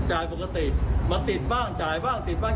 จ่ายปกติมาติดบ้างจ่ายบ้างจ่ายบ้าง